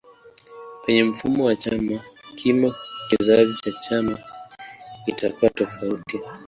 Penye mfumo wa chama kimoja kazi ya chama itakuwa tofauti.